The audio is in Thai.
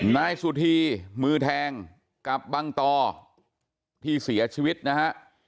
นายสุธีมือแทงกับบังตอที่เสียชีวิตนะฮะ